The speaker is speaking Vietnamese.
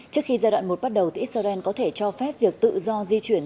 trước khi giai đoạn một bắt đầu thì israel có thể cho phép việc tự do di chuyển